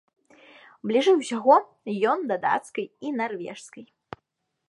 Бліжэй усяго ён да дацкай і нарвежскай.